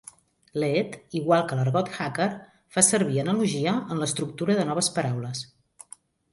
Leet, igual que l'argot hacker, fa servir analogia en l'estructura de noves paraules.